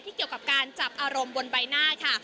เกี่ยวกับการจับอารมณ์บนใบหน้าค่ะ